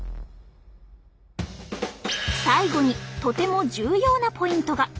最後にとても重要なポイントが。